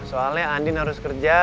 soalnya andin harus kerja